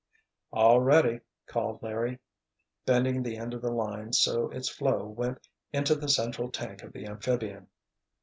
"All ready!" called Larry, bending the end of the line so its flow went into the central tank of the amphibian.